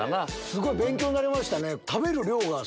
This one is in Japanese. すごい勉強になりましたね。